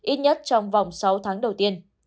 ít nhất trong vòng sáu tháng đầu tiên